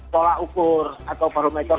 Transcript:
polak ukur atau barometer